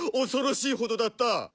恐ろしいほどだった。